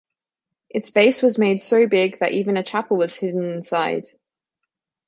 Its base was made so big that even a chapel was hidden inside.